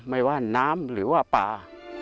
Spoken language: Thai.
ไม่ว่าน้ำหรือว่าป่า